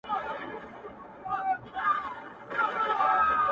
له كومه وخته چي خالـــونـــه ســتــــاد مــــخ گـــــورمــه ـ